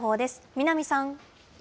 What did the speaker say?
南さん。